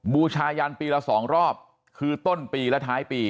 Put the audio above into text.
บูชายันปีละ๒รอบคือต้นปีและท้ายปี